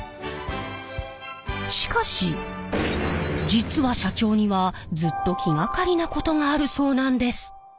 しかし実は社長にはずっと気がかりなことがあるそうなんです。